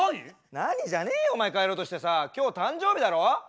何じゃねえよお前帰ろうとしてさ今日誕生日だろ？